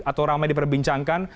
atau ramai diperbincangkan